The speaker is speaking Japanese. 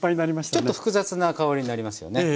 ちょっと複雑な香りになりますよね。